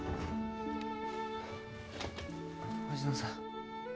星野さん。